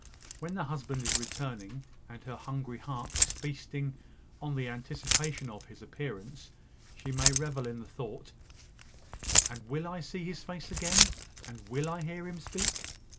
When the husband is returning, and her hungry heart is feasting on the anticipation of his appearance, she may revel in the thought "And will I see his face again, And will I hear him speak?"